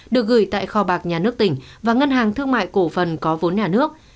được gửi tại kho bạc nhà nước tỉnh và ngân hàng thương mại cổ phần có vốn nhà nước